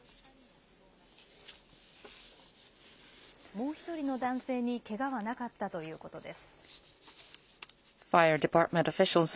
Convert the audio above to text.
もう１人の男性にけがはなかったということです。